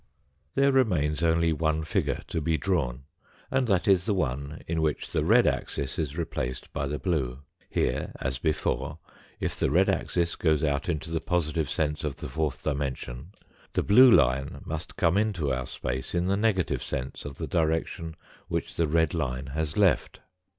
There remains only one figure to be drawn, and that is the one in which the red axis is replaced by the blue. Here, as before, if the red axis goes out into the positive sense of the fourth dimension, the blue line must come into our space in the negative sense of the direction which the red line has left.